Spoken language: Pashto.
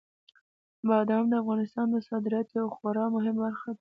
بادام د افغانستان د صادراتو یوه خورا مهمه برخه ده.